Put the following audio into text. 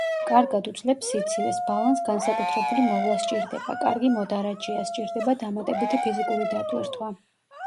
კარგად უძლებს სიცივეს, ბალანს განსაკუთრებული მოვლა სჭირდება, კარგი მოდარაჯეა, სჭირდება დამატებითი ფიზიკური დატვირთვა.